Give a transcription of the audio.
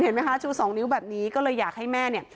ไหมคะชูสองนิ้วแบบนี้ก็เลยอยากให้แม่เนี่ย